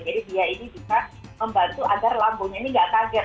jadi dia ini bisa membantu agar lambungnya ini nggak kaget